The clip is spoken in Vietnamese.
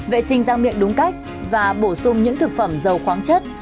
vệ sinh ra miệng đúng cách và bổ sung những thực phẩm dầu khoáng chất